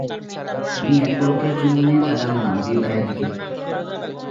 আমি এক পলকের জন্যে তাকালাম আবীর ভাইয়ের দিকে।